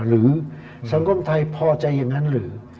หรือสังคมไทยพอใจอย่างนั้นหรือ